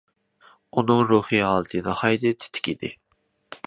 ئۇنىڭ روھىي ھالىتى ناھايىتى تېتىك ئىدى.